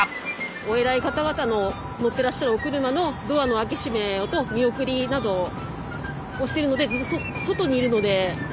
お偉い方々の乗ってらっしゃるお車のドアの開け閉めと見送りなどをしてるのでずっと外にいるので。